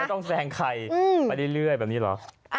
ต้องแซงใครไปเรื่อยแบบนี้เหรอ